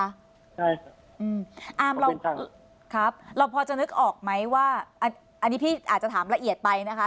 ใช่อามเราครับเราพอจะนึกออกไหมว่าอันนี้พี่อาจจะถามละเอียดไปนะคะ